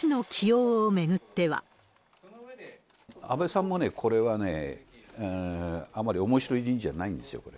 安倍さんもね、これはね、あまりおもしろい人事じゃないんですよ、これ。